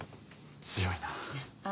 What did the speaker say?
強いなあ。